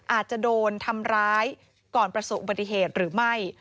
อาจจะโดนทำร้ายก่อนประสบอุบัติเหตุหรือไม่